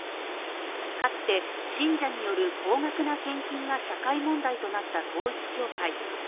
かつて信者による高額な献金が社会問題となった統一教会。